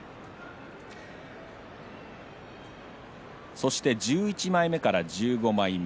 そして１１枚目から１５枚目。